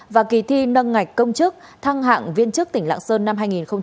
và kỳ thi nâng ngạch công chức thăng hạng viên chức tỉnh lạng sơn năm hai nghìn hai mươi